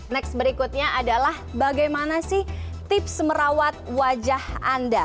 next berikutnya adalah bagaimana sih tips merawat wajah anda